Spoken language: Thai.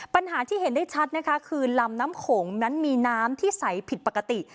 ปัญหาที่เห็นได้ชัดนะคะคือลำน้ำโขงนั้นมีน้ำที่ใสผิดปกติ